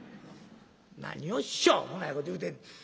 「何をしょうもないこと言うてんねん」。